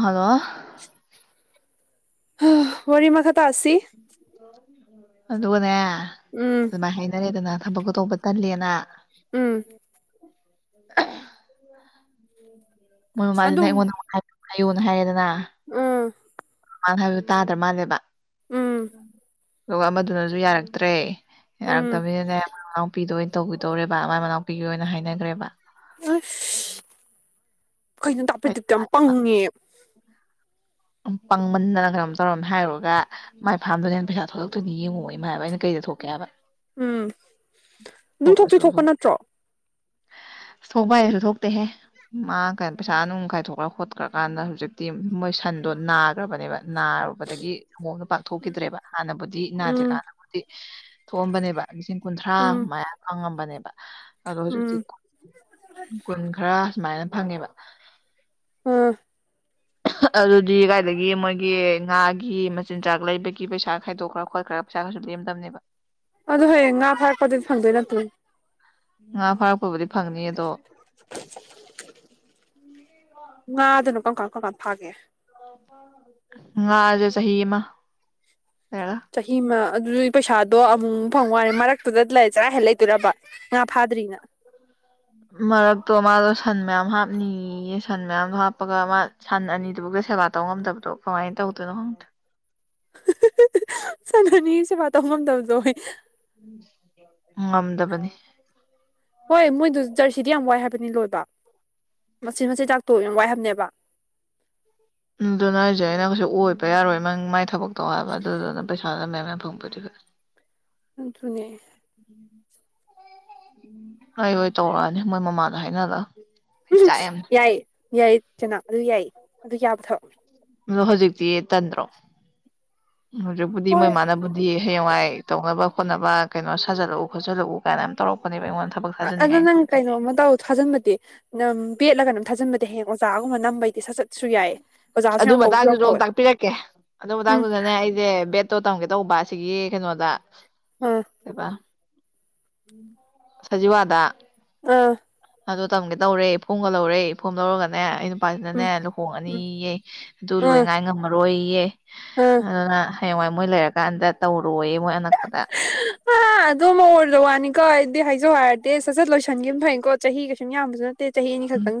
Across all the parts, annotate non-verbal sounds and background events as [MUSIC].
hello ꯍꯥ ꯋꯥꯔꯤ ꯃꯈꯥ ꯇꯥꯁꯤ ꯑꯗꯨꯒꯅꯦ ꯎꯝ ꯑꯗꯨꯃꯥꯏꯅ ꯍꯥꯏꯅꯔꯦꯗꯅ ꯊꯕꯛꯇꯣ ꯇꯧꯕ ꯇꯜꯂꯦꯅ ꯎꯝ [UNINTELLIGIBLE] ꯃꯣꯏ ꯃꯃꯥꯖꯤꯅ ꯑꯗꯨꯝ ꯑꯩꯉꯣꯟꯗꯃꯨꯛ ꯍꯥꯏꯌꯣ ꯍꯥꯏꯔꯦꯗꯅ ꯎꯝ ꯃꯥ ꯍꯥꯏꯕꯗꯨ ꯇꯥꯗ꯭ꯔꯥ ꯃꯥꯜꯂꯦꯕ ꯎꯝ ꯑꯗꯨꯒ ꯑꯃꯗꯨꯅꯖꯨ ꯌꯥꯔꯛꯇ꯭ꯔꯦ ꯎꯝ ꯌꯥꯔꯛꯇꯅꯤꯅꯅꯦ ꯃꯣꯏ ꯃꯅꯥꯎꯄꯤꯗꯨ ꯑꯣꯏꯅ ꯇꯧꯕꯤꯗꯧꯔꯦꯕ ꯃꯥꯏ ꯃꯅꯥꯎꯄꯤꯒꯤ ꯑꯣꯏꯅ ꯍꯥꯏꯅꯈꯒ꯭ꯔꯦꯕ ꯑꯁ ꯀꯩꯅꯣ ꯗꯥ ꯑꯩ ꯄꯝꯗꯤꯞꯇꯣ ꯌꯥꯝ ꯌꯥꯗꯦꯕ ꯄꯪꯉꯦ ꯄꯪꯃꯟꯗꯅ ꯀꯩꯅꯣꯝ ꯇꯧꯔꯝꯃꯦ ꯍꯥꯏꯔꯨꯔꯒ ꯃꯥꯏ ꯐꯥꯝꯗꯨꯅ ꯍꯦꯟꯅ ꯄꯩꯁꯥ ꯊꯣꯛꯂꯛꯇꯣꯏꯅꯤ ꯌꯦꯡꯉꯣ ꯃꯥ ꯍꯥꯏꯕ ꯑꯩꯅ ꯀꯩꯗ ꯊꯣꯛꯀꯦ ꯍꯥꯏꯕ ꯎꯝ ꯑꯗꯨꯝ ꯊꯣꯛꯇꯤ ꯊꯣꯛꯄ ꯅꯠꯇ꯭ꯔꯣ ꯊꯣꯛꯄ ꯍꯥꯏꯔꯁꯨ ꯊꯣꯛꯇꯦꯍꯦ ꯃꯥ ꯀꯩꯅꯣ ꯄꯩꯁꯥ ꯅꯨꯡ ꯀꯥꯏꯊꯣꯛꯈ꯭ꯔ ꯈꯣꯠꯈ꯭ꯔꯀꯥꯟꯗ ꯍꯧꯖꯤꯛꯇꯤ ꯃꯣꯏ ꯁꯟ ꯑꯗꯣ ꯅꯥꯒ꯭ꯔꯕꯅꯦꯕ ꯅꯥꯔꯨꯕꯗꯒꯤ ꯁꯪꯒꯣꯝꯗꯣ ꯄꯥꯛ ꯊꯣꯛꯈꯤꯗ꯭ꯔꯦꯕ ꯍꯥꯟꯅꯕꯨꯗꯤ ꯎꯝ ꯅꯥꯗ꯭ꯔꯤꯀꯥꯟꯗꯕꯨꯗꯤ ꯊꯣꯛꯑꯝꯕꯅꯦꯕ ꯂꯤꯁꯤꯡ ꯀꯨꯟꯊ꯭ꯔꯥ ꯎꯝ ꯃꯌꯥ ꯐꯪꯉꯝꯕꯅꯦꯕ ꯑꯗꯣ ꯎꯝ ꯍꯧꯖꯤꯛꯇꯤ ꯀꯨꯟ ꯈꯔ ꯁꯨꯃꯥꯏꯅ ꯐꯪꯉꯦꯕ ꯎꯝ [UNINTELLIGIBLE] ꯑꯗꯨꯗꯤ ꯀꯥꯏꯗꯒꯤ ꯃꯣꯏꯒꯤ ꯉꯥꯒꯤ ꯃꯆꯤꯟꯖꯥꯛ ꯂꯩꯕꯒꯤ ꯄꯩꯁꯥ ꯈꯥꯏꯗꯣꯛꯈ꯭ꯔ ꯈꯣꯠꯈ꯭ꯔ ꯄꯩꯁꯥ ꯀꯩꯁꯨ ꯂꯦꯝ ꯂꯦꯝꯗꯅꯦꯕ ꯑꯗꯣ ꯍꯌꯦꯡ ꯉꯥ ꯐꯥꯔꯛꯄꯗꯗꯤ ꯐꯪꯗꯣꯏ ꯅꯠꯇ꯭ꯔꯣ ꯉꯥ ꯐꯥꯔꯛꯄꯕꯨꯗꯤ ꯐꯪꯅꯤ ꯑꯗꯣ ꯉꯥ ꯑꯗꯨꯅ ꯀꯝꯀꯥꯟ ꯀꯝꯀꯥꯥꯟ ꯐꯥꯒꯦ ꯉꯥꯖꯦ ꯁꯍꯤ ꯑꯃꯥ ꯆꯍꯤ ꯑꯃ ꯑꯗꯨꯗꯤ ꯄꯩꯁꯥꯗꯣ ꯑꯃꯨ ꯃꯨꯛ ꯐꯪ ꯋꯥꯅꯤ ꯃꯔꯛꯇꯨꯗ ꯂꯩ ꯆꯔꯥ ꯍꯦꯜ ꯂꯩꯗꯣꯏꯔꯕ ꯉꯥ ꯐꯥꯗ꯭ꯔꯤꯅ ꯃꯔꯛꯇꯣ ꯃꯥꯗꯣ ꯁꯟ ꯃꯌꯥꯝ ꯍꯥꯞꯅꯤꯌꯦ ꯁꯟ ꯃꯌꯥꯝ ꯍꯥꯞꯄꯒ ꯃꯥ ꯁꯟ ꯑꯅꯤꯗꯨꯕꯨꯗ ꯁꯦꯕꯥ ꯇꯧ ꯉꯝꯗꯕꯗꯣ ꯀꯃꯥꯏꯅ ꯇꯧꯗꯣꯏꯅꯣ ꯈꯪꯗꯦ ꯍꯤꯍꯤ ꯍꯤ ꯁꯟ ꯑꯅꯒꯤ ꯁꯦꯕꯥ ꯇꯧ ꯉꯝꯗꯕꯗꯣ ꯍꯦ ꯉꯝꯗꯕꯅꯤ ꯍꯣꯏ ꯃꯣꯏꯗꯣ ꯖꯔꯁꯤꯗꯤ ꯌꯥꯝ ꯋꯥꯏ ꯍꯥꯏ ꯂꯣꯏꯕ ꯃꯆꯤꯠ ꯃꯆꯤꯠ ꯆꯥꯛꯇꯣ ꯌꯥꯝ ꯋꯥꯏ ꯍꯥꯏꯕꯅꯦꯕ ꯎꯝ ꯑꯗꯨꯅꯦ ꯍꯥꯏꯖꯦ ꯑꯩꯅ ꯀꯩꯁꯨ ꯑꯣꯏꯕ ꯌꯥꯔꯣꯏ ꯅꯪ ꯃꯥꯏ ꯊꯕꯛꯇꯣ ꯍꯥꯏꯕ ꯑꯗꯨꯗꯨꯅ ꯄꯩꯁꯥꯗꯣ ꯃꯌꯥꯝ [UNINTELLIGIBLE] ꯑꯗꯨꯅꯦ ꯑꯩ ꯑꯣꯏ ꯇꯧꯔꯛꯑꯅꯤ ꯃꯣꯏ ꯃꯃꯥꯗ ꯍꯥꯏꯅꯍꯜꯂꯒ ꯎꯝ ꯌꯥꯏꯌꯦ ꯌꯥꯏꯌꯦ ꯆꯅꯥ ꯑꯗꯨ ꯌꯥꯏꯌꯦ ꯑꯗꯨ ꯌꯥꯕ ꯊꯕꯛ ꯑꯗꯣ ꯍꯧꯖꯤꯛꯇꯤ ꯇꯟꯗ꯭ꯔꯣ ꯍꯧꯖꯤꯛꯄꯨꯗꯤ ꯍꯣꯏ ꯃꯣꯏꯃꯅꯕꯨꯗꯤ ꯍꯌꯦꯡꯋꯥꯏ ꯇꯧꯅꯕ ꯈꯣꯠꯅꯕ ꯀꯩꯅꯣ ꯁꯥꯖꯜꯂꯛꯎ ꯈꯣꯆꯜꯂꯛꯎ ꯀꯥꯏꯅ ꯌꯝ ꯇꯧꯔꯛꯄꯅꯦ ꯑꯗꯣ ꯅꯪ ꯀꯩꯅꯣꯝꯃ ꯇꯧ ꯊꯥꯖꯟꯕꯗꯤ ꯅꯪ ꯕꯦꯠꯂꯥꯀꯩꯅꯣꯝ ꯊꯥꯖꯤꯟꯕꯗꯤ ꯍꯦꯛ ꯑꯣꯖꯒꯨꯝꯕ ꯅꯝꯕꯩꯗꯤ ꯁꯠꯆꯠꯁꯨ ꯌꯥꯏ ꯑꯗꯨ ꯃꯇꯥꯡꯗꯨꯗ ꯑꯃꯨꯛ ꯇꯥꯛꯄꯤꯔꯛꯀꯦ ꯑꯗꯨ ꯎꯝ ꯃꯇꯥꯡꯗꯨꯗꯅꯦ ꯑꯩꯖꯦ ꯕꯦꯠꯇꯣ ꯇꯝꯒꯦ ꯇꯧꯕ ꯑꯁꯤꯒꯤ ꯀꯩꯅꯣꯗ ꯑꯥ ꯀꯩꯕ ꯁꯖꯤꯋꯥꯗ ꯑꯥ ꯑꯗꯣ ꯇꯝꯒꯦ ꯇꯧꯔꯦ ꯐꯣꯝꯒ ꯂꯧꯔꯦ ꯐꯣꯝ ꯂꯧꯔꯒꯅꯦ ꯑꯩꯅ ꯎꯝ ꯄꯥꯖꯤꯅꯅꯦ ꯎꯝ ꯂꯨꯍꯣꯡꯉꯅꯤꯌꯦ ꯑꯗꯨ ꯂꯣꯏ ꯑꯥ ꯉꯥꯏ ꯉꯝꯃꯔꯣꯏꯌꯦ ꯑꯥ ꯑꯗꯨꯅ ꯍꯌꯦꯡꯋꯥꯏ ꯃꯣꯏ ꯂꯩꯔꯀꯥꯟꯗ ꯇꯧꯔꯣꯏꯌꯦ ꯃꯣꯏ ꯑꯅꯛꯄꯗ ꯑꯗꯣꯝꯃ ꯑꯣꯔꯣꯏꯗ ꯋꯅꯤꯀꯣ ꯑꯩꯗꯤ ꯍꯏꯖꯧ ꯍꯏꯔꯗꯤ ꯁꯠ ꯁꯠ ꯂꯣꯏꯁꯟꯒꯤꯕꯅ ꯐꯩꯀꯣ ꯆꯍꯤ ꯀꯩꯁꯨꯝ ꯌꯥꯝꯕꯖꯨ ꯅꯠ ꯎꯝ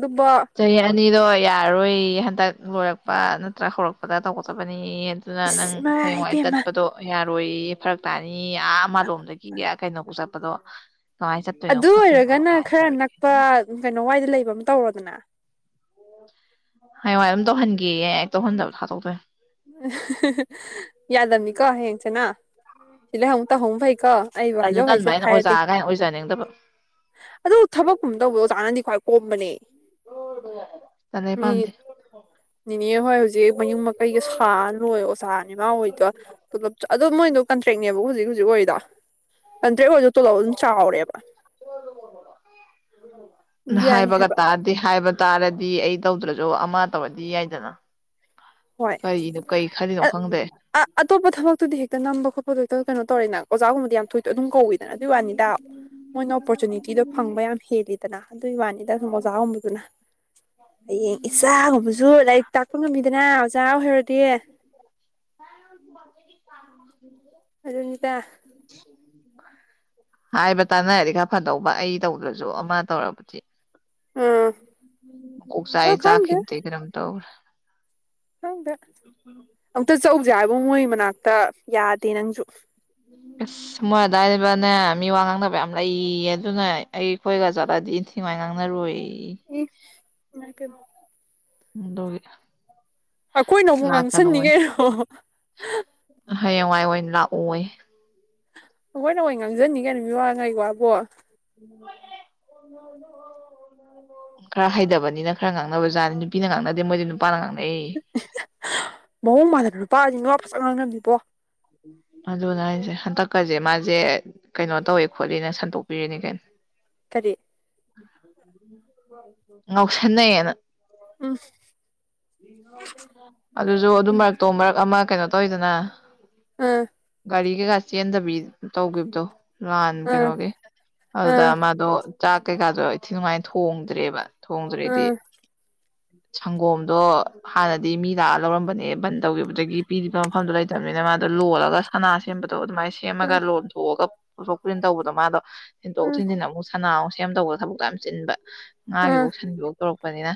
ꯆꯍꯤ ꯑꯅꯤꯗꯣ ꯌꯥꯔꯔꯣꯏꯌꯦ ꯍꯟꯗꯛ ꯂꯣꯏꯔꯛꯄ ꯅꯠꯇ꯭ꯔꯥ ꯍꯧꯔꯛꯄꯗ ꯇꯧꯒꯗꯕꯅꯦꯌꯦ ꯑꯗꯨꯅ ꯅꯪ ꯏꯁ ꯏꯃꯥꯏ ꯍꯌꯦꯡꯋꯥꯏ ꯄꯦꯝꯃ ꯆꯠꯄꯗꯣ ꯌꯥꯔ ꯔꯣꯏꯌꯦ ꯐꯔꯛ ꯇꯥꯅꯤꯌꯦ ꯑꯥ ꯃꯂꯣꯝꯗꯒꯤ ꯀꯩꯅꯣꯕꯨꯛ ꯆꯠꯄꯗꯣ ꯀꯃꯥꯏꯅ ꯆꯠꯇꯣꯏꯅꯣ ꯑꯗꯨ ꯈꯣꯠꯇꯣꯏꯅꯣ ꯑꯣꯏꯔꯒꯅ ꯀꯥꯏꯅ ꯈꯔ ꯇꯧꯔꯛꯑꯦ ꯅꯛꯄ ꯑꯗꯨꯅ ꯀꯩꯅꯣ ꯋꯥꯏꯗ ꯂꯩꯕ ꯑꯃ ꯇꯧꯔꯣꯗꯅ ꯍꯌꯦꯋꯥꯏ ꯑꯗꯨꯝ ꯇꯧꯍꯟꯒꯦꯌꯦ ꯍꯦꯛ ꯇꯧꯍꯟꯗꯕꯗ ꯍꯠꯇꯣꯛꯇꯣꯏ ꯑ ꯍꯥ ꯍꯥ ꯍꯥ ꯌꯥꯗꯅꯤꯀꯣ ꯍꯌꯦꯡ ꯆꯦꯅꯥꯎ ꯁꯤꯗ ꯑꯃꯨꯛ ꯇꯧꯍꯧ ꯐꯩ ꯀꯣ ꯑꯩꯕꯨ ꯇꯟꯁꯨ ꯍꯥꯏꯖꯧ ꯇꯟꯕ ꯍꯥꯖꯦ ꯑꯩꯅ ꯑꯣꯖꯥ ꯍꯥꯏꯔꯗꯤ ꯀꯥꯏꯅ ꯑꯣꯏꯖꯅꯤꯡꯗꯕ ꯑꯗꯨ ꯊꯕꯛꯀꯨꯝꯕ ꯇꯧꯗꯣ ꯑꯣꯖꯥꯅꯗꯤ ꯈ꯭ꯋꯥꯏ ꯀꯣꯝꯕꯅꯦ ꯇꯜꯂꯦ ꯑꯩ ꯄꯝꯗꯦ ꯅꯤꯅꯦ ꯍꯣꯏ ꯍꯧꯖꯤꯛ ꯃꯌꯨꯝ ꯃꯀꯩ ꯑꯩꯒ ꯁꯥ ꯂꯣꯏ ꯑꯣꯖꯥꯅꯤ ꯃꯥ ꯑꯣꯏꯗꯣ ꯄꯨꯂꯞ ꯆ ꯑꯗꯨ ꯃꯣꯏꯗꯣ ꯀꯟꯇ꯭ꯔꯦꯛꯅꯦꯕ ꯍꯨꯖꯤꯛ ꯍꯨꯖꯤꯛ ꯑꯣꯏꯔꯤꯗꯣ ꯀꯟꯇ꯭ꯔꯦꯛ ꯑꯣꯏꯔꯖꯨ ꯇꯣꯂꯣꯞ ꯑꯗꯨꯝ ꯆꯥꯎꯔꯦꯕ ꯌꯥꯏ ꯍꯥꯏꯕꯒ ꯍꯥꯏꯕ ꯇꯗꯦ ꯍꯥꯏꯕ ꯇꯔꯗꯤ ꯑꯩ ꯇꯧꯗ꯭ꯔꯁꯨ ꯑꯃ ꯇꯧꯔꯗꯤ ꯌꯥꯏꯗꯅ ꯀꯔꯤꯅꯣ ꯀꯩ ꯈꯜꯂꯤꯅꯣ ꯑꯥ ꯈꯪꯗꯦ ꯑꯥ ꯑꯇꯣꯞꯄ ꯊꯕꯛꯇꯨꯗꯤ ꯍꯦꯛꯇ ꯅꯝꯕ ꯈꯣꯠꯄꯗꯣ ꯍꯦꯛꯇ ꯀꯩꯅꯣ ꯇꯧꯔꯦꯅ ꯑꯣꯖꯥꯒꯨꯝꯕꯗꯤ ꯌꯥꯝ ꯊꯣꯏ ꯑꯗꯨꯝ ꯀꯧꯋꯤꯗꯅ ꯑꯗꯨꯒꯤ ꯋꯥꯅꯤꯗ ꯃꯣꯏꯅ ꯑꯣꯄꯣꯔꯆꯨꯅꯤꯇꯤꯗꯣ ꯐꯪꯕ ꯌꯥꯝ ꯍꯦꯜꯂꯤꯗꯅ ꯑꯗꯨꯏꯒꯤ ꯋꯥꯅꯤꯗ ꯁꯨꯝ ꯑꯣꯖꯥꯒꯨꯝꯕꯗꯨꯅ ꯍꯌꯦꯡ ꯏꯆꯥꯒꯨꯝꯕꯁꯨ ꯂꯥꯏꯔꯤꯛ ꯇꯥꯛꯄ ꯉꯝꯃꯤꯗꯅ ꯑꯣꯖꯥ ꯑꯣꯏꯍꯧꯔꯗꯤ ꯁ ꯆꯥꯔ [INAUDIBLE] ꯑꯗꯨꯅꯤꯗ ꯍꯥꯏꯕ ꯇꯥꯅꯔꯗꯤ ꯈꯔ ꯐꯗꯧꯕ ꯑꯩ ꯇꯧꯗ꯭ꯔꯁꯨ ꯑꯃ ꯇꯧꯔꯕꯨꯗꯤ ꯑꯥꯝ ꯃꯀꯣꯛ ꯆꯛꯑꯦ ꯆꯛꯈꯤꯕꯗꯒꯤ ꯀꯩꯅꯣꯝ ꯇꯧꯔꯦ ꯝ [INAUDIBLE] ꯆꯧꯖꯦ ꯍꯥꯏꯕꯕꯨ ꯃꯣꯏ ꯃꯅꯛꯇ ꯌꯗꯦ ꯅꯪꯁꯨ ꯎꯝ [INAUDIBLE] ꯑꯁ ꯃꯣꯏ ꯑꯗꯏꯋꯥꯏꯕꯅꯦ ꯃꯤ ꯋꯥ ꯉꯥꯡꯅꯕ ꯌꯥꯝ ꯂꯩꯌꯦ ꯑꯗꯨꯅ ꯑꯩ ꯑꯩꯈꯣꯏꯒ ꯆꯠꯂꯗꯤ ꯏ ꯊꯤꯉꯥꯏ ꯉꯥꯡꯅꯔꯣꯏ ꯌꯦ ꯃꯥ ꯀ [INAUDIBLE] ꯑꯗꯨꯒꯤꯥꯗ ꯑꯩꯈꯣꯏꯅ ꯑꯃꯨꯛ ꯉꯥꯡꯁꯟꯅꯤ ꯀꯩꯅꯣ ꯍꯌꯦꯡꯋꯥꯏ ꯑꯣꯏꯅ ꯂꯥꯛꯎꯏ ꯍꯈꯣꯏꯅ ꯑꯣꯏ ꯉꯥꯡꯖꯅꯤ ꯀꯩꯅꯣ ꯃꯤꯋꯥ ꯉꯩ ꯋꯥꯕꯣ ꯎ [INAUDIBLE] ꯈꯔ ꯍꯥꯏꯗꯕꯅꯤꯅ ꯈꯔ ꯉꯥꯡꯅꯕꯖꯠꯅꯤ ꯅꯨꯄꯤꯅ ꯉꯥꯡꯅꯗꯦ ꯃꯣꯏꯗꯤ ꯅꯨꯄꯥꯅ ꯉꯥꯡꯅ ꯃꯑꯣꯡ ꯃꯥꯟꯗꯅ ꯅꯨꯨꯄꯥꯖꯤ ꯃꯤꯋꯥ ꯐꯖꯟ ꯉꯥꯡꯅꯕꯅꯤꯕꯣ ꯑꯗꯨꯅ ꯍꯥꯏꯁꯦ ꯍꯟꯗꯛꯀꯁꯦ ꯃꯥꯁꯦ ꯀꯩꯅꯣ ꯇꯧꯋꯦ ꯈꯣꯠꯂꯤꯅ ꯁꯟꯗꯣꯛꯄꯤꯔꯤꯅꯤ ꯀꯩꯅꯣ ꯀꯔꯤ ꯉꯥꯎꯁꯟꯅꯩꯌꯦꯅ ꯎꯝ ꯎꯝ ꯑꯗꯨꯁꯨ ꯑꯗꯨꯝ ꯃꯔꯛꯇꯣ ꯃꯔꯛ ꯑꯃ ꯀꯩꯅꯣ ꯇꯧꯋꯤꯗꯅ ꯎꯝ ꯒꯔꯤ ꯀꯩꯀꯥ ꯆꯦꯟꯗꯕꯤ ꯇꯧꯈꯤꯕꯗꯣ ꯂꯍꯥꯟ ꯎꯝ ꯀꯩꯅꯣꯒꯤ ꯑꯗꯨꯗ ꯃꯥꯗꯣ ꯆꯥꯛ ꯀꯩꯀꯥꯗꯣ ꯏꯊꯤ ꯅꯨꯡꯉꯥꯏꯅ ꯊꯣꯡꯗ꯭ꯔꯦꯕ ꯊꯣꯡꯗ꯭ꯔꯦꯗꯤ ꯎꯝ ꯁꯪꯒꯣꯝꯗꯣ ꯍꯥꯟꯅꯗꯤ ꯃꯤ ꯂꯥꯛꯑ ꯂꯧꯔꯝꯕꯅꯦ ꯕꯟ ꯇꯧꯈꯤꯕꯗꯒꯤ ꯄꯤꯔꯤꯕ ꯃꯐꯝꯗꯣ ꯂꯩꯇꯕꯅꯦ ꯃꯅꯥ ꯂꯣꯜꯂꯒ ꯁꯅꯥ ꯁꯦꯝꯕ ꯑꯗꯣ ꯑꯗꯨꯃꯥꯏꯅ ꯎꯝ ꯁꯦꯝꯃꯒ ꯂꯣꯟꯊꯣꯛꯑꯒ ꯄꯨꯊꯣꯛ ꯄꯨꯁꯤꯟ ꯇꯧꯕꯗꯣ ꯃꯥꯗꯣ ꯊꯤꯟꯗꯣꯛ ꯎꯝ ꯊꯤꯟꯖꯤꯟ ꯑꯃꯨꯛ ꯁꯅꯥ ꯁꯦꯝ ꯇꯧꯕꯗ ꯊꯕꯛ ꯌꯥꯝ ꯆꯤꯟꯕ ꯉꯥꯒꯤꯐꯧ ꯎꯝ ꯁꯟꯒꯤꯌꯣ ꯇꯧꯔꯛꯄꯅꯤꯅ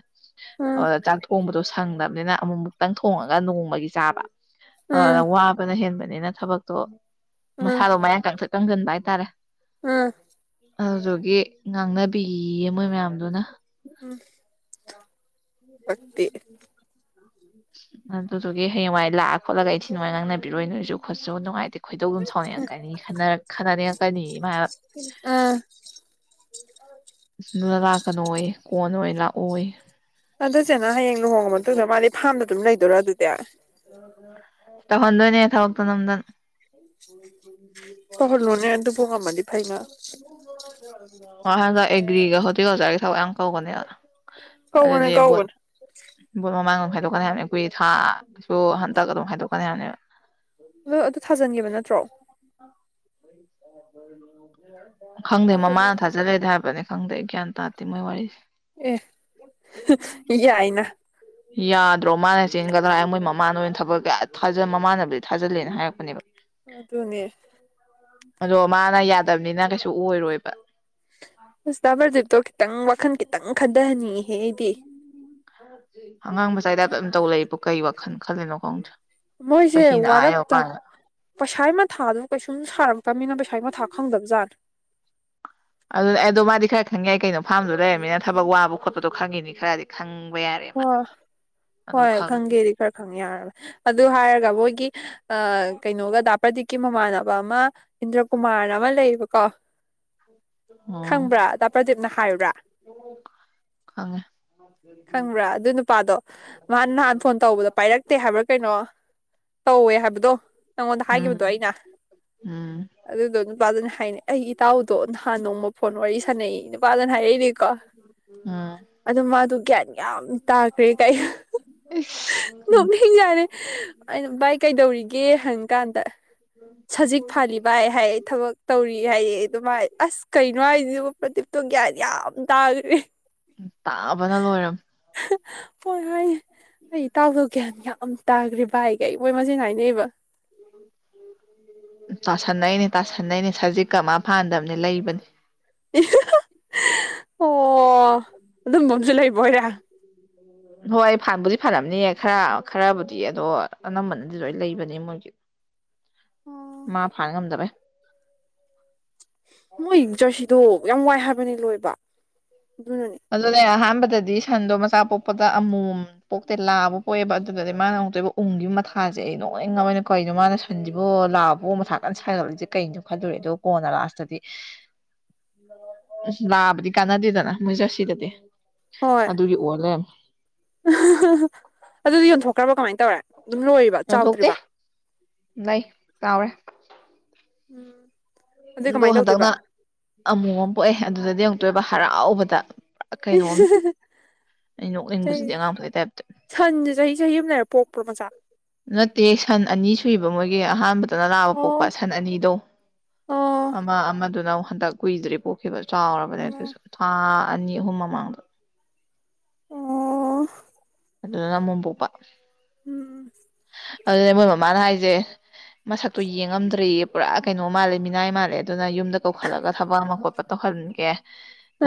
ꯎꯝ ꯑꯣꯗꯨꯗ ꯆꯥꯛ ꯊꯣꯡꯕꯗꯣꯁꯨ ꯁꯪꯗꯕꯅꯤꯅ ꯑꯃꯨꯛꯃꯨꯛꯇꯪ ꯊꯣꯡꯉꯒ ꯅꯣꯡꯃꯒꯤ ꯆꯥꯕ ꯑꯗꯨꯗ ꯎꯝ ꯋꯥꯕꯅ ꯍꯦꯟꯕ ꯅꯤꯅ ꯊꯕꯛꯇꯣ ꯎꯝ ꯃꯁꯥꯗꯣ ꯃꯌꯥꯡ ꯀꯪꯇ꯭ꯔꯤꯛ ꯀꯪꯁꯤꯟꯕ ꯍꯥꯏꯇꯥꯔꯦ ꯎꯝ ꯑꯗꯨꯗꯨꯒꯤ ꯉꯥꯡꯅꯕꯤꯌꯦ ꯃꯣꯏ ꯃꯌꯥꯝꯕꯗꯨꯅ ꯎꯝ ꯄꯛꯇꯦ ꯑꯗꯨꯗꯨꯒꯤ ꯍꯌꯦꯡꯋꯥꯏ ꯂꯥꯛꯑ ꯈꯣꯠꯂꯒ ꯏꯟꯊꯤ ꯅꯨꯡꯉꯥꯏ ꯉꯥꯡꯅꯕꯤꯔꯣꯏ ꯅꯣꯏꯁꯨ ꯈꯣꯠꯁꯨ ꯅꯨꯡꯉꯥꯏꯇꯦ ꯈꯣꯏꯗꯧꯗꯨꯝ ꯁꯥꯎꯅꯤꯡꯉꯛꯀꯅꯤ ꯈꯟꯅ ꯈꯟꯅꯅꯤꯡꯉꯛꯀꯅꯤ ꯎꯝ ꯅꯣꯏ ꯂꯥꯛꯀꯅꯣꯌꯦ ꯀꯣꯟꯅ ꯑꯣꯏꯅ ꯂꯥꯛꯑꯣꯌꯦ ꯑꯗꯨꯆꯦꯟꯅ ꯍꯌꯦꯡ ꯂꯨꯍꯣꯡꯉ ꯃꯇꯨꯡꯗ ꯃꯥꯗꯤ ꯐꯥꯝꯗ ꯑꯗꯨꯝ ꯂꯩꯗꯣꯏꯔꯥ ꯑꯗꯨꯗꯤ ꯇꯧꯍꯟꯗꯣꯏꯅꯦ ꯊꯕꯛꯇꯣ ꯅꯝꯗꯅ ꯇꯧꯍꯜꯂꯣꯅꯦ ꯑꯗꯨꯕꯨ ꯉꯝꯃꯗꯤ ꯐꯩꯅ ꯃꯥ ꯍꯟꯗꯛ ꯑꯦꯒ꯭ꯔꯤꯒ ꯍꯧꯇꯦꯜ ꯑꯣꯖꯥꯒꯤ ꯊꯕꯛ ꯌꯥꯝ ꯀꯧꯕꯅꯦ ꯀꯧꯕꯅꯦ ꯑꯗꯨꯗꯤ ꯚꯣꯠ ꯀꯧꯕꯅꯦ ꯚꯣꯠ ꯃꯃꯥꯡꯗ ꯍꯥꯏꯗꯣꯛꯀꯅꯤ ꯍꯥꯏꯕꯅꯦ ꯀꯨꯏ ꯊꯥꯁꯨ ꯍꯟꯇꯛ ꯑꯗꯨꯝ ꯈꯥꯏꯗꯣꯛꯀꯅꯤ ꯍꯥꯏꯅꯦꯕ ꯅꯪ ꯑꯗꯨ ꯊꯥꯖꯟꯒꯤꯕ ꯅꯠꯇ꯭ꯔꯣ [UNINTELLIGIBLE] ꯈꯪꯗꯦ ꯃꯃꯥꯅ ꯊꯥꯖꯤꯜꯂꯒ ꯊꯥꯖꯜꯂꯦꯗꯤ ꯍꯥꯏꯕꯅꯤ ꯈꯪꯗꯦ ꯒ꯭ꯌꯥꯟ ꯇꯥꯗꯦ ꯃꯣꯏ ꯋꯥꯔꯤꯖꯦ ꯑꯦ ꯌꯥꯏꯅ ꯌꯥꯗ꯭ꯔꯣ ꯃ ꯆꯦꯟꯒꯗ꯭ꯔꯥ ꯃꯣꯏ ꯃꯃꯥꯅ ꯑꯣꯏꯅ ꯊꯕꯛ ꯑ ꯃꯃꯥꯅꯕꯨꯗꯤ ꯊꯥꯖꯤꯜꯂꯦꯅ ꯍꯥꯏꯔꯛꯄꯅꯦꯕ ꯑꯗꯨꯅꯦ ꯑꯗꯣ ꯃꯥꯅ ꯌꯥꯗꯕꯅꯤꯅ ꯀꯩꯁꯨ ꯑꯣꯏꯔꯣꯏꯕ ꯑꯁ ꯗꯥ ꯄ꯭ꯔꯗꯤꯞꯇꯣ ꯈꯤꯇꯪ ꯋꯥꯈꯜ ꯈꯤꯇꯪ ꯈꯟꯗꯍꯟꯅꯤꯡꯉꯤ ꯑꯉꯥꯡ ꯃꯆꯥꯥꯏꯇꯥꯏꯞꯇ ꯑꯗꯨꯝ ꯇꯧ ꯂꯩ ꯀꯩ ꯋꯥꯈꯜ ꯈꯜꯂꯤꯅꯣ ꯈꯪꯗꯦ ꯃꯣꯏꯁꯦ ꯆꯍꯤꯅ ꯑꯥ ꯋꯥꯔꯛꯇ ꯌꯧꯔꯀꯥꯟꯗ ꯄꯩꯁꯥ ꯃꯊꯥꯖꯨ ꯀꯩꯁꯨꯝ ꯁꯥꯔꯛꯇꯕꯅꯤꯅ ꯄꯩꯁꯥꯒꯤ ꯃꯊꯥ ꯈꯪꯗꯕ ꯖꯥꯠ ꯑꯗꯨ ꯑꯗꯣ ꯃꯥꯗꯤ ꯈꯔ ꯈꯪꯪ ꯌꯥꯏ ꯀꯩꯅꯣ ꯐꯥꯝꯗꯨꯗ ꯂꯩꯔꯃꯤꯅ ꯊꯕꯛ ꯋꯥꯕ ꯈꯣꯠꯄꯗꯣ ꯈꯪꯉꯤꯅꯤ ꯈꯔꯗꯤ ꯈꯪ ꯍꯣ ꯍꯣꯏ ꯈꯪꯉꯦ ꯈꯪꯒꯦꯗꯤ ꯈꯔ ꯈꯪ ꯌꯥꯔꯕꯅꯤ ꯑꯗꯨ ꯍꯥꯏꯔꯒ ꯃꯣꯏꯒꯤ ꯑ ꯀꯩꯅꯣꯒ ꯗꯥ ꯄ꯭ꯔꯗꯤꯞꯀꯤ ꯃꯃꯥꯟꯅꯕ ꯑꯃ ꯏꯟꯗ꯭ꯔꯀꯨꯃꯥꯔꯅ ꯑꯃ ꯂꯩꯌꯦꯕꯀꯣ ꯑꯣ ꯈꯪꯕ꯭ꯔꯥ ꯗꯥ ꯄ꯭ꯔꯗꯤꯞꯅ ꯍꯥꯏꯕ꯭ꯔꯥ ꯈꯪꯉꯦ ꯈꯪꯕ꯭ꯔꯥ ꯑꯗꯨ ꯅꯨꯄꯥꯗꯣ ꯃꯥꯥ ꯅꯍꯥꯟ ꯐꯣꯟ ꯇꯧꯕꯗꯣ ꯄꯥꯏꯔꯛꯇꯦ ꯍꯥꯏꯕ꯭ꯔꯥ ꯀꯩꯅꯣ ꯇꯧꯋꯦ ꯍꯥꯏꯕꯗꯣ ꯅꯪꯉꯣꯟꯗ ꯎꯝ ꯍꯥꯏꯒꯤꯕꯗꯣ ꯑꯩꯅ ꯎꯝ ꯑꯗꯨꯗꯨ ꯅꯨꯄꯥꯗꯨꯅ ꯍꯥꯏꯅꯦ ꯑꯩ ꯏꯇꯥꯎꯗꯣ ꯅꯍꯥꯟ ꯅꯣꯡꯃ ꯐꯣꯟ ꯋꯥꯔꯤ ꯁꯥꯟꯅꯩ ꯅꯨꯄꯥꯗꯨꯅ ꯍꯥꯏꯔꯛꯏꯅꯦꯀꯣ ꯎꯝ ꯃꯥꯗꯨ ꯒ꯭ꯌꯥꯟ ꯌꯥꯝ ꯇꯥꯈ꯭ꯔꯦ ꯀꯥꯏ ꯏꯁ ꯅꯣꯛꯅꯤꯡꯖꯥꯅꯦ ꯑꯩꯅ ꯚꯥꯏ ꯀꯩꯗꯧꯔꯤꯒꯦ ꯍꯪ ꯀꯥꯟꯗ ꯁꯖꯤꯛ ꯐꯥꯜꯂꯤ ꯚꯥꯏ ꯍꯥꯏ ꯊꯕꯛ ꯇꯧꯔꯤ ꯍꯥꯏ ꯑꯗꯨꯚꯥꯏ ꯑꯁ ꯀꯩꯅꯣ ꯍꯥꯏꯁꯤꯕ ꯄ꯭ꯔꯗꯤꯞꯇꯣ ꯒ꯭ꯌꯥꯟ ꯌꯥꯝ ꯇꯥꯒ꯭ꯔꯦ ꯇꯥꯕꯅ ꯂꯣꯏꯔꯝ ꯍꯣꯏ ꯍꯣꯏ ꯑꯩ ꯏꯇꯥꯎꯗꯣ ꯒ꯭ꯌꯥꯟ ꯌꯥꯝ ꯇꯥꯒ꯭ꯔꯦ ꯚꯥꯏ ꯒꯥꯏ ꯃꯣꯏ ꯃꯁꯦꯟ ꯍꯥꯏꯅꯩꯕ ꯎꯝ ꯎꯝ ꯇꯥꯁꯟꯅꯩꯅꯦ ꯇꯥꯁꯟꯅꯩꯅꯦ ꯁꯖꯤꯛꯀ ꯃꯥ ꯐꯥꯟꯗꯕꯅꯦ ꯂꯩꯕꯅꯤ ꯑꯣ ꯑꯗꯨꯝꯕ ꯑꯝꯖꯨ ꯂꯩꯕ ꯑꯣꯏꯔꯦ ꯍꯣꯏ ꯐꯥꯟꯕꯨꯗꯤ ꯐꯥꯟꯂꯝꯅꯤ ꯈꯔ ꯈꯔꯕꯨꯗꯤ ꯑꯗꯣ ꯑꯅꯝꯕꯅꯗꯤ ꯂꯣꯏ ꯂꯩꯕꯅꯦ ꯃꯣꯏꯒꯤ ꯃꯥ ꯐꯥꯟ ꯉꯝꯗꯕꯩ ꯃꯣꯏ ꯖꯔꯁꯤꯗꯣ ꯌꯥꯝ ꯋꯥꯏ ꯍꯥꯏꯕꯅꯤ ꯂꯣꯏꯕ ꯑꯗꯨꯅꯅꯦ ꯑꯗꯨꯅꯦ ꯑꯍꯥꯟ ꯑꯍꯥꯟꯕꯗꯗꯤ ꯁꯟꯗꯣ ꯃꯆꯥ ꯄꯣꯛꯄꯗ ꯑꯃꯣꯝ ꯄꯣꯛꯇꯦ ꯂꯥꯕ ꯄꯣꯛꯑꯦꯕ ꯑꯗꯨꯗꯗꯤ ꯃꯥꯅ ꯑꯃꯨꯛꯇꯣꯏꯕ ꯎꯪꯒꯤꯕ ꯃꯊꯥ ꯃꯥꯖꯦ ꯑꯩ ꯅꯣꯛꯅꯤꯡ ꯉꯕꯅꯦ ꯀꯧꯅꯣ ꯃꯥꯅ ꯁꯟꯁꯤꯕꯨ ꯂꯥꯕꯕꯨ ꯃꯊꯥ ꯀꯟꯅ ꯁꯥꯥꯏꯒꯠꯂꯤꯁꯦ ꯀꯩꯅꯣ ꯈꯟꯂꯨꯔꯦ ꯑꯗꯨꯒ ꯀꯣꯟꯅ ꯂꯥꯁꯇꯗꯤ ꯂꯥꯕꯗꯤ ꯀꯥꯟꯅꯗꯦꯗꯅ ꯃꯣꯏ ꯖꯔꯁꯤꯗꯗꯤ ꯍꯣꯏ ꯑꯗꯨꯒꯤ ꯑꯣꯏ ꯂꯩꯔꯝꯃꯦ ꯑꯥ ꯍꯥ ꯍꯥ ꯍꯥ ꯑꯗꯨꯗꯤ ꯌꯣꯟꯊꯣꯛꯈ꯭ꯔꯕ ꯀꯃꯥꯏꯅ ꯇꯧꯔꯦ ꯑꯗꯨꯝ ꯂꯣꯏꯔꯤꯕ ꯌꯣꯟꯊꯣꯛꯇꯦ ꯆꯥꯎꯗ꯭ꯔꯤꯕ ꯂꯩ ꯆꯥꯎꯔꯦ ꯑꯗꯨꯏ ꯗꯣ ꯀꯃꯥꯏꯅ ꯍꯟꯗꯛꯅ ꯇꯧꯗꯣꯏꯕ ꯑꯃꯣꯝ ꯑꯃ ꯄꯣꯛꯑꯦ ꯑꯗꯨꯗꯗꯤ ꯑꯃꯨꯛꯇꯣꯏꯕ ꯍꯔꯥꯎꯕꯗ ꯏꯁ ꯀꯩꯅꯣꯝꯅꯤ ꯍꯤ ꯑꯩ ꯍꯤ ꯍꯤ ꯅꯣꯛꯅꯤꯡꯕꯁꯤꯗꯤ ꯑꯉꯥꯡ ꯃꯈꯩ ꯇꯥꯏꯞꯇ ꯁꯟꯖꯦ ꯆꯍꯤ ꯆꯍꯤ ꯑꯃ ꯂꯩꯔ ꯄꯣꯛ ꯄ꯭ꯔꯣ ꯃꯆꯥ [UNINTELLIGIBLE] ꯅꯠꯇꯦ ꯁꯟ ꯑꯅꯤ ꯁꯨꯏꯕ ꯃꯣꯏꯒꯤ ꯑꯍꯥꯟꯕ ꯑꯗ ꯂꯥꯕ ꯄꯣꯛꯄ ꯑꯣ ꯁꯟ ꯑꯅꯤꯗꯣ ꯑꯣ ꯑꯃ ꯑꯃꯗꯨꯅ ꯍꯟꯗꯛ ꯀꯨꯏꯗ꯭ꯔꯤ ꯄꯣꯛꯈꯤꯕ ꯆꯥꯎꯔꯕꯅꯦ ꯑꯣ ꯑꯗꯨꯁꯨ ꯊꯥ ꯑꯅꯤ ꯑꯍꯨꯝ ꯃꯃꯥꯡꯗ ꯑꯣ ꯑꯗꯨꯗꯅ ꯑꯃꯣꯝ ꯄꯣꯛꯄ ꯎꯝ ꯎꯝ ꯑꯗꯨꯅꯦ ꯃꯣꯏ ꯃꯃꯥꯅ ꯍꯥꯏꯖꯦ ꯃꯁꯛꯇꯣ ꯌꯦꯡꯉꯝꯗ꯭ꯔꯦꯌꯦ ꯄꯨꯔꯥ ꯀꯩꯅꯣ ꯃꯥꯜꯂꯦ ꯃꯤꯅꯥꯏ ꯃꯥꯜꯂꯦ ꯑꯗꯨꯅ ꯌꯨꯝ ꯀꯧꯈꯠꯂꯒ ꯊꯕꯛ ꯑꯃ ꯈꯣꯠꯄ ꯇꯧꯍꯟꯒꯦ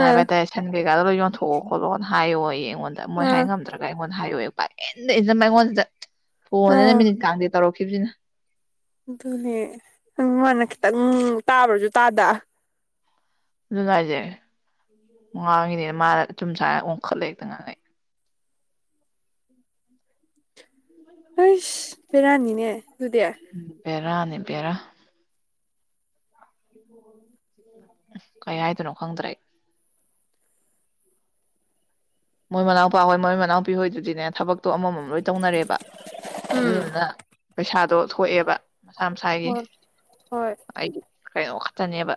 ꯍꯥꯏꯕ ꯍꯥꯏ ꯇꯔꯦ ꯁꯟꯕꯤ [UNINTELLIGIBLE] ꯗꯥꯍꯣꯏ ꯌꯣꯟꯊꯣꯛꯑꯣ ꯈꯣꯠꯂꯣꯅ ꯍꯥꯏꯌꯣꯌꯦ ꯑꯩꯉꯣꯟꯗ ꯃꯣꯏ ꯍꯥꯏ ꯑꯥ ꯉꯝꯗ꯭ꯔꯒ ꯑꯩꯉꯣꯟꯗ ꯍꯥꯏꯌꯣꯌꯦ ꯄꯛ ꯏꯟꯗ ꯏꯟꯖꯟꯕ ꯑꯩꯉꯣꯟꯁꯤꯗ ꯐꯣꯟꯖꯤꯅ ꯑꯥ ꯃꯤꯅꯤꯠ ꯀꯥꯡꯗꯦ ꯇꯧꯔꯛꯈꯤꯕꯁꯤꯅ ꯑꯗꯨꯅꯦ ꯅꯪꯃꯅ ꯈꯤꯇꯪ ꯇꯥꯕ꯭ꯔꯁꯨ ꯇꯥꯗ ꯑꯗꯨꯅꯦ ꯍꯥꯏꯁꯦ ꯉꯥꯡꯉꯤꯅꯤꯅ ꯃꯥꯅ ꯑꯆꯨꯝ ꯁꯥꯔꯒ ꯑꯣꯟꯈꯠꯂ ꯍꯦꯛꯇ ꯉꯥꯡꯉꯩ ꯑꯁ ꯕꯦꯔꯥꯅꯤꯅꯦ ꯑꯗꯨꯗꯤ ꯕꯦꯔꯥꯅꯦ ꯕꯦꯔꯥ ꯀꯩ ꯍꯥꯏꯗꯣꯅꯣ ꯈꯪꯗ꯭ꯔꯦ ꯑꯩ ꯃꯣꯏ ꯃꯅꯥꯎꯄꯥ ꯍꯣꯏ ꯃꯣꯏ ꯃꯅꯥꯎꯄꯤꯪ ꯍꯣꯏꯗꯨꯗꯤꯅꯦ ꯊꯕꯛ ꯇꯣ ꯑꯃꯃꯝ ꯂꯣꯏ ꯇꯧꯅꯔꯦꯕ ꯎꯝ ꯑꯗꯨꯗꯨꯅ ꯄꯩꯁꯥꯗꯣ ꯊꯣꯛꯑꯦꯕ ꯃꯁꯥ ꯃꯁꯥꯒꯤ ꯍꯣꯏ ꯍꯣꯏ ꯑꯩꯗꯤ ꯀꯩꯅꯣ ꯇꯅꯦꯕ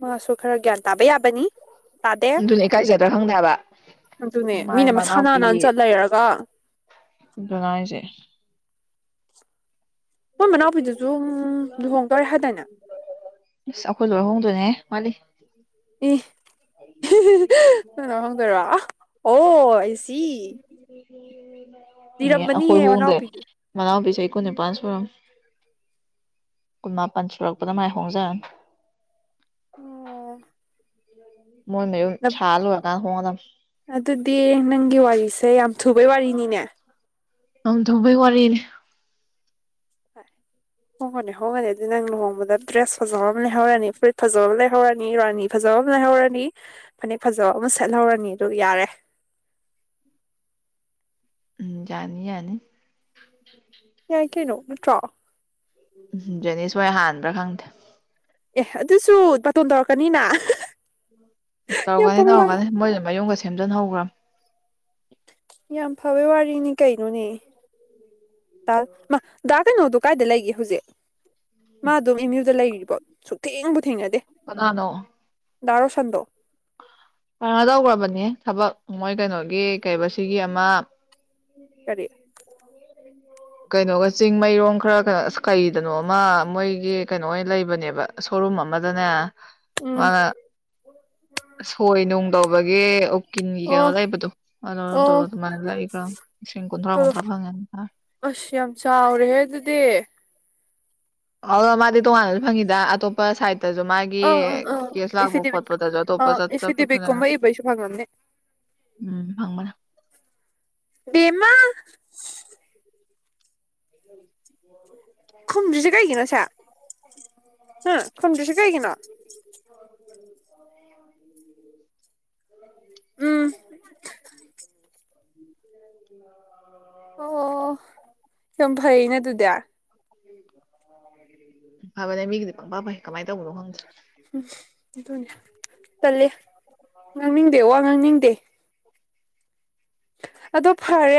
ꯃꯥꯁꯨ ꯈꯔ ꯒ꯭ꯌꯥꯟ ꯇꯥꯕ ꯌꯥꯕꯅꯤ ꯇꯥꯗꯦ ꯑꯗꯨꯅ ꯏꯀꯥꯏꯖꯗ꯭ꯔꯥ ꯈꯪꯗꯦꯕ ꯑꯗꯨꯅꯦ ꯃꯥꯏ ꯃꯤꯅ ꯃꯁꯥ ꯅꯥꯟ ꯅꯥꯟ ꯆꯠ ꯂꯩꯔꯒ ꯑꯗꯨꯅꯦ ꯍꯥꯏꯁꯦ ꯃꯣꯏ ꯃꯅꯥꯎꯄꯤꯗꯨꯁꯨ ꯂꯨꯍꯣꯡꯗꯧꯔꯦ ꯍꯥꯏꯗꯥꯏꯅꯦ ꯑꯁ ꯑꯈꯣꯏ ꯂꯣꯏꯔ ꯍꯣꯡꯗꯣꯏꯅꯦꯍꯦ ꯋꯥꯠꯂꯤ ꯏꯁ ꯍꯤ ꯍꯤ ꯍꯤ ꯅꯣꯏ ꯂꯣꯏꯔ ꯍꯣꯡꯗꯣꯏꯔꯣ ꯑꯣ ꯑꯥꯏꯁꯤ ꯑꯈꯣꯏ ꯍꯣꯡꯗꯣꯏꯅꯦ ꯃꯅꯥꯎꯄꯤꯗꯨ ꯃꯅꯥꯎꯄꯤ ꯆꯍꯤ ꯀꯨꯟꯅꯤꯄꯥꯥꯟ ꯁꯨꯔꯝꯅꯦ ꯀꯟꯃꯥꯄꯟ ꯁꯨꯔꯛꯄꯗ ꯃꯥꯏ ꯍꯣꯡꯖꯔꯅꯤ ꯑꯣ ꯃꯣꯏ ꯃꯌꯨꯝ ꯁꯥ ꯂꯣꯏꯔ ꯀꯥꯟꯗ ꯍꯣꯡꯉꯗꯝ ꯑꯗꯨꯗꯤ ꯅꯪꯒꯤ ꯋꯥꯔꯤꯁꯦ ꯌꯥꯝ ꯊꯨꯕꯩ ꯋꯥꯔꯤꯅꯤꯅꯦ ꯑꯪ ꯊꯧꯕꯩ ꯋꯥꯔꯤꯅꯦ ꯍꯣꯡꯉꯅꯤ ꯍꯣꯡꯉꯅꯤ ꯑꯗꯨꯗꯤ ꯅꯪ ꯂꯨꯍꯣꯡꯕꯗ ꯗ꯭ꯔꯦꯁ ꯐꯖꯕ ꯑꯃ ꯂꯩꯍꯧꯔꯅꯤ ꯐꯨꯔꯤꯠ ꯐꯖꯕ ꯑꯃ ꯂꯩꯍꯧꯔꯅꯤ ꯔꯥꯅꯤ ꯐꯖꯕ ꯐꯖꯕ ꯑꯃ ꯂꯩꯍꯧꯔꯅꯤ ꯐꯅꯦꯛ ꯐꯖꯕ ꯑꯃ ꯁꯦꯠꯍꯧꯔꯅꯤ ꯑꯗꯨꯒ ꯌꯥꯔꯦ ꯎꯝ ꯌꯥꯅꯤ ꯌꯥꯅꯤ ꯌꯥꯏ ꯀꯩꯅꯣ ꯅꯠꯇ꯭ꯔꯣ ꯃꯣꯏ ꯍꯥꯟꯕ꯭ꯔꯥ ꯈꯪꯗꯦ ꯑꯦ ꯑꯗꯨꯁꯨ ꯕꯥꯇꯣꯟ ꯇꯧꯔꯛꯀꯅꯤꯅ ꯍꯥ ꯍꯥ ꯍꯥ ꯇꯧꯔꯛꯀꯅꯤ ꯇꯧꯔꯛꯀꯅꯤ ꯃꯣꯏꯁꯨ ꯃꯌꯨꯝꯒ ꯁꯦꯝꯖꯤꯟ ꯍꯧꯒ꯭ꯔꯝꯅꯦ ꯌꯥꯝ ꯐꯕꯩ ꯋꯥꯔꯤꯅꯤ ꯀꯩꯅꯣꯅꯦ ꯇꯥꯜ ꯃꯥ ꯗꯥ ꯀꯩꯅꯣꯗꯣ ꯀꯥꯏꯗ ꯂꯩꯒꯦ ꯍꯧꯖꯤꯛ ꯃꯥ ꯑꯗꯨꯝ ꯑꯦꯝ ꯌꯨ ꯗ ꯂꯩꯔꯤꯕꯣ ꯁꯨꯛꯊꯦꯡꯕꯨ ꯊꯦꯡꯅꯗꯦ ꯀꯅꯥꯅꯣ ꯗꯥ ꯔꯣꯁꯟꯗꯣ ꯀꯩꯅꯣ ꯇꯧꯈ꯭ꯔꯕꯅꯦꯍꯦ ꯊꯕꯛ ꯃꯣꯏ ꯀꯩꯅꯣꯒꯤ ꯀꯩꯕ ꯁꯤꯒꯤ ꯑꯃ [INAUDIBLE] ꯀꯔꯤ ꯀꯩꯅꯣꯒ ꯆꯤꯡꯃꯩꯔꯣꯡ ꯈꯔ ꯀꯩꯅꯣ ꯀꯩꯗꯅꯣꯃ ꯃꯣꯏꯒꯤ ꯀꯩꯅꯣꯑꯣꯢꯅ ꯂꯩꯕꯅꯦꯕ ꯁꯣ ꯨꯔꯨꯝ ꯑꯃꯗꯅꯦ ꯎꯝ ꯃꯥꯅ ꯁꯣꯏ ꯅꯨꯡ ꯇꯧꯕꯒꯤ ꯀꯤꯟꯒꯤ ꯀꯩꯅꯣ ꯑꯣ ꯂꯩꯕꯗꯨꯣ ꯑꯗꯨꯗꯣ ꯑꯣ ꯑꯗꯨꯃꯥꯏꯅ ꯂꯩꯒ꯭ꯔꯝ ꯂꯤꯁꯤꯡ ꯀꯨꯟꯊ꯭ꯔꯥ ꯇꯣꯂꯣ ꯀꯨꯟꯊ꯭ꯔꯥ ꯐꯪꯉꯦ ꯍꯥꯢꯕꯅꯦ ꯑꯁ ꯌꯥꯝ ꯆꯥꯎꯔꯦꯍꯦ ꯑꯗꯨꯗꯤ ꯑ ꯃꯥꯗꯤ ꯇꯣꯉꯥꯟꯅꯁꯨ ꯐꯪꯉꯤꯗ ꯑꯇꯣꯞꯄ ꯁꯥꯏꯠ ꯇꯖꯨ ꯃꯥꯒꯤ ꯑꯥ ꯑꯥ ꯑꯥ ꯀꯦꯁ ꯂꯥꯛꯄ ꯑꯦꯐꯤꯗꯦꯕꯤꯠ ꯈꯣꯠꯄꯗꯖꯨ ꯑꯇꯣꯞꯄ ꯑꯥ ꯆ ꯆꯠꯄ ꯑꯦꯐꯤꯗꯦꯕꯤꯠꯀꯨꯝꯕ ꯐꯖꯅ ꯏꯕꯩꯁꯨ ꯐꯪꯉꯝꯅꯤ ꯎꯝ ꯐꯪꯃꯅꯦ ꯕꯦꯝꯃ [INAUDIBLE] ꯈꯨꯝꯗꯔꯤꯖꯦ ꯀꯩꯒꯤꯅꯣ ꯁꯦ ꯈꯨꯝꯗ꯭ꯔꯤꯁꯦ ꯀꯩꯒꯤꯅꯣ ꯎꯝ ꯑꯑꯑꯑ ꯑꯣꯑꯣꯑꯣ ꯌꯥꯝ ꯐꯩꯅꯦ ꯑꯗꯨꯗꯤ ꯐꯕꯅꯦ ꯃꯤꯒꯤꯗꯤ ꯄꯪꯐ ꯐꯩ ꯀꯃꯥꯏꯅ ꯇꯧꯕꯅꯣ ꯈꯪꯗꯦ ꯎꯝ ꯑꯗꯨꯅꯦ ꯇꯜꯂꯦ ꯉꯥꯡꯅꯤꯡꯗꯦ ꯋꯥ ꯉꯥꯡꯅꯤꯡꯗꯦ ꯑꯗꯣ ꯐꯔꯦ